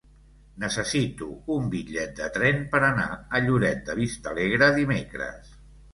Necessito un bitllet de tren per anar a Lloret de Vistalegre dimecres.